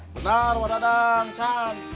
benar pak dadang can